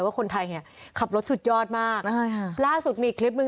ว่าคนไทยเนี่ยขับรถสุดยอดมากใช่ค่ะล่าสุดมีอีกคลิปหนึ่ง